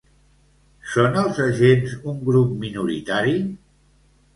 Són els agents un grup minoritari?